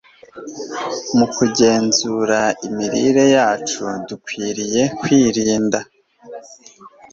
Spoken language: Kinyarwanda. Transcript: mu kugenzura imirire yacu dukwiriye kwirinda